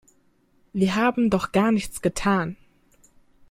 Wir haben doch gar nichts getan.